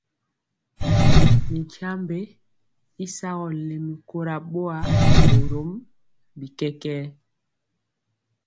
Mi tyiambe y sagɔ lɛmi kora boa, borom bi kɛkɛɛ.